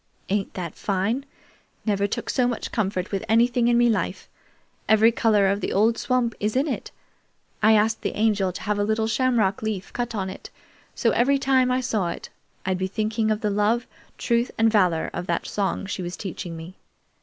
"Ain't that fine? Never took so much comfort with anything in me life. Every color of the old swamp is in it. I asked the Angel to have a little shamrock leaf cut on it, so every time I saw it I'd be thinking of the 'love, truth, and valor' of that song she was teaching me.